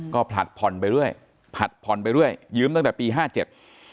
ก็ผลัดผ่อนไปเรื่อยผลัดผ่อนไปเรื่อยยืมตั้งแต่ปีห้าเจ็ด